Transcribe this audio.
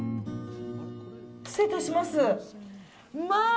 失礼いたします。